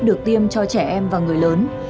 được tiêm cho trẻ em và người lớn